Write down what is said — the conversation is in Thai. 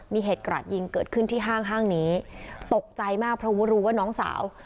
มีเหตุกระดยิงเกิดขึ้นที่ห้างห้างนี้ตกใจมากเพราะว่ารู้ว่าน้องสาว